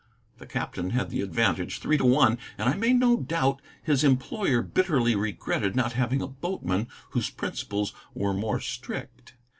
The captain had the advantage, three to one, and I made no doubt his employer bitterly regretted not having a boatman whose principles were more strict.